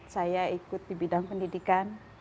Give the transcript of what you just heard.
saya ikut di bidang pendidikan